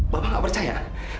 bapak gak percaya